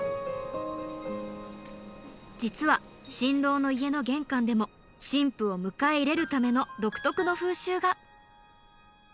実は新郎の家の玄関でも新婦を迎え入れるための独特の風習が。